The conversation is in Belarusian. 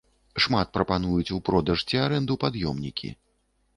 Шмат прапануюць у продаж ці арэнду пад'ёмнікі.